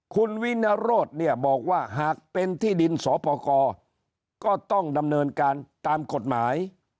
คุณวินโรธเนี่ยบอกว่าหากเป็นที่ดินสปกรก็ต้องดำเนินการตามกฎหมาย